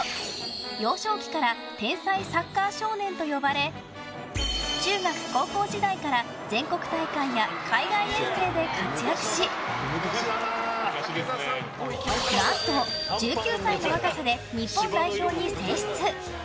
幼少期から天才サッカー少年と呼ばれ中学・高校時代から全国大会や海外遠征で活躍し何と１９歳の若さで日本代表に選出。